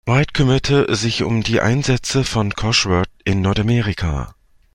White kümmerte sich um die Einsätze von Cosworth in Nordamerika.